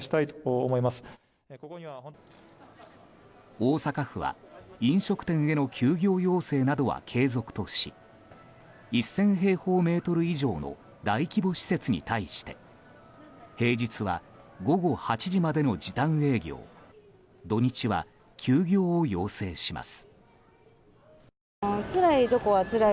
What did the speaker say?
大阪府は、飲食店への休業要請などは継続とし１０００平方メートル以上の大規模施設に対して平日は午後８時までの時短営業土日は休業を要請します。